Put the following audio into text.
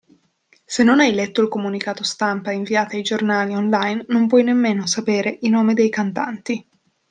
Se non hai letto il comunicato stampa inviato ai giornali online non puoi nemmeno sapere i nomi dei cantanti.